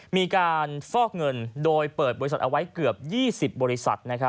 มีการฟอกเงินโดยเปิดบริษัทเอาไว้เกือบ๒๐บริษัท